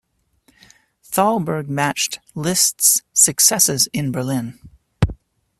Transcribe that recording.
Thalberg matched Liszt's successes in Berlin.